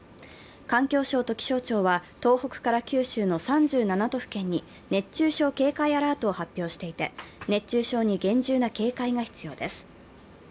環境省と気象庁は、東北から九州の３７都府県に熱中症警戒アラートを発表していて熱中症に厳重な警戒が必要です。